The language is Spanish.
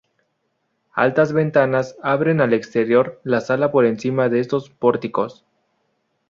Altas ventanas abren al exterior la sala por encima de estos pórticos.